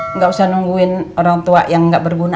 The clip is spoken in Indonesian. enggak usah nungguin orang tua yang enggak berguna